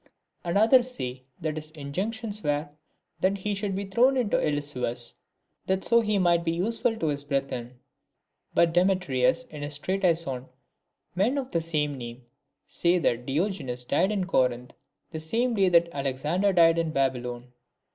And others say that his injunctions were, that he should be thrown into the Ilissus ; that so he might be useful to his brethren. But Demetrius, in his treatise on Men of the Same Name, says that Diogenes died in Corinth the same day that Alexander died in Babylon.